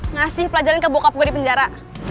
ngasih pelajaran ke bokap gue di penjara